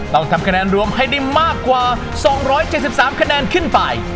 ต้องทำคะแนนรวมให้ได้มากกว่าสองร้อยเจ็ดสิบสามคะแนนขึ้นไป